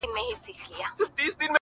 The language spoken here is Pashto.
• دلته څنګه زما پر کور بل سوی اور دی -